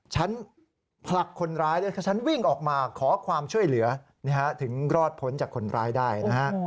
ฉันผลักคนร้ายด้วยฉันวิ่งออกมาขอความช่วยเหลือถึงรอดพ้นจากคนร้ายได้นะฮะ